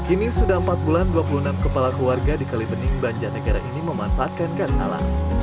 ini sudah empat bulan dua puluh enam kepala keluarga di kalimening banja negara ini memanfaatkan gas alam